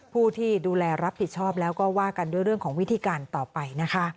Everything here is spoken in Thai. ผู้ที่ดูแลรับผิดชอบแล้วก็ว่ากันด้วยเรื่องของวิธีการต่อไปนะคะ